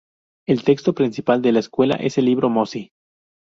El texto principal de la escuela es el libro Mozi.